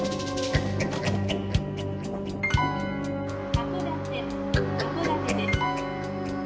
「函館函館です」